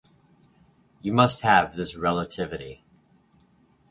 You must have this relativity.